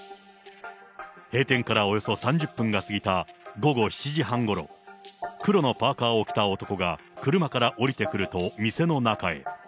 閉店からおよそ３０分が過ぎた午後７時半ごろ、黒のパーカーを着た男が車から降りてくると店の中へ。